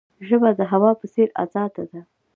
ژبه د هوا په څیر آزاده ده.